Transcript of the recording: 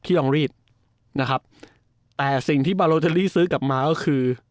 ยองรีดนะครับแต่สิ่งที่บาโลเทอรี่ซื้อกลับมาก็คือ